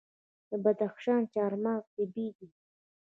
د بدخشان چهارمغز طبیعي دي.